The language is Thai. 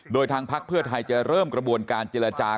โดยทางพักเพื่อไทยจะเริ่มกระบวนการเจรจา